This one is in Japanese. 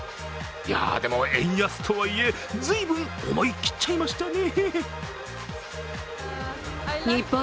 いやでも円安とはいえ随分思いきっちゃいましたね。